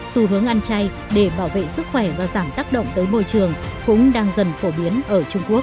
xu hướng ăn chay để bảo vệ sức khỏe và giảm tác động tới môi trường cũng đang dần phổ biến ở trung quốc